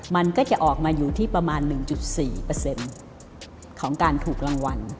มันก็จะออกมาอยู่ที่ประมาณ๑๔ของการถูกรางวัล